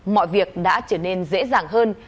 mọi việc đã trở nên dễ dàng hơn